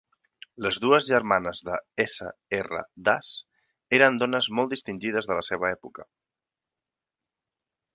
Les dues germanes de S. R. Das eren dones molt distingides de la seva època.